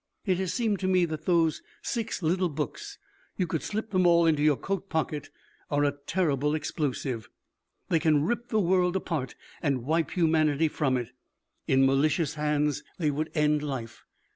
It has seemed to me that those six little books you could slip them all into your coat pocket are a terrible explosive. They can rip the world apart and wipe humanity from it. In malicious hands they would end life.